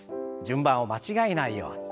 順番を間違えないように。